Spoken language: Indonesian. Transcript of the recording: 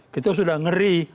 kita sudah ngeri